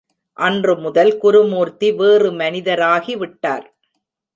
அன்று முதல் குருமூர்த்தி வேறு மனிதராகிவிட்டார்.